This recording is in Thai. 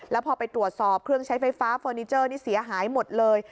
แล้วพอไปตรวจสอบเครื่องใช้ไฟฟ้าเฟอร์นิเจอร์นี่เสียหายหมดเลย